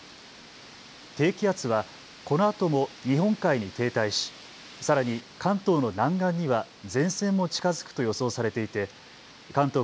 低気圧はこのあとも日本海に停滞しさらに関東の南岸には前線も近づくと予想されていて関東